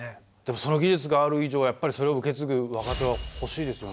その技術がある以上やっぱりそれを受けつぐ若手はほしいですよね？